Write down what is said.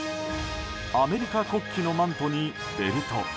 アメリカ国旗のマントにベルト。